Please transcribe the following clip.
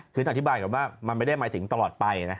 คือต้องอธิบายก่อนว่ามันไม่ได้หมายถึงตลอดไปนะ